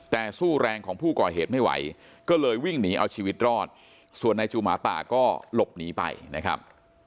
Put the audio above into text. แต่สู้แรงของผู้ก่อเหตุไม่ไหวก็เลยวิ่งหนีเอาชีวิตรอดส่วนนายจูหมาป่าก็หลบหนีไปนะครับ